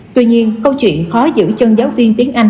tuy nhiên câu chuyện khó giữ chân giáo viên tiếng anh